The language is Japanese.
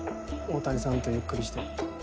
大谷さんとゆっくりして。